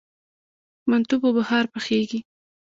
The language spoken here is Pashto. منتو په بخار پخیږي؟